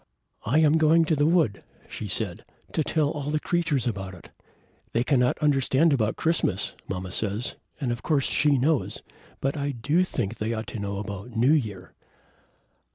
"I am going to the wood," she said, "to tell the creatures all about it. They cannot understand about Christmas, mamma says, and of course she knows, but I do think they ought to know about New Year!"